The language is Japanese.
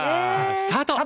スタート！